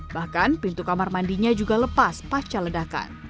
bahkan pintu kamar mandinya juga lepas pasca ledakan